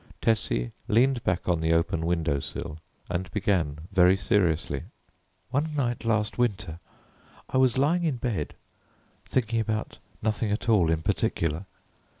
Tessie leaned back on the open window sill and began very seriously. "One night last winter I was lying in bed thinking about nothing at all in particular.